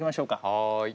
はい。